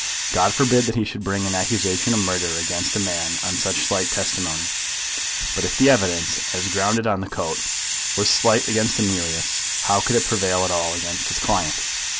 God forbid that he should bring an accusation of murder against a man on such slight testimony. But if the evidence, as grounded on the coat, was slight against Emilius, how could it prevail at all against his client?